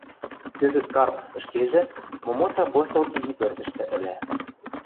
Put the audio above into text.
Кӹзӹт Карп ӹшкежӹ момоца постол изи пӧртӹштӹ ӹлӓ.